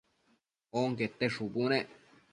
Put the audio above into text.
onquete shubu nec